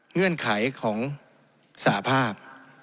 เงื่อนไขของสาภาพ